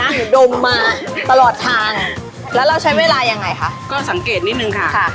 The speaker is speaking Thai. คือดมมาตลอดทางแล้วเราใช้เวลายังไงคะก็สังเกตนิดนึงค่ะค่ะ